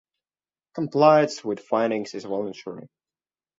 Compliance with findings is voluntary.